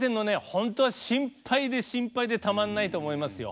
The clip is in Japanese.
本当は心配で心配でたまらないと思いますよ。